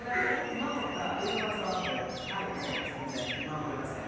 守った翌朝は全然、守りません。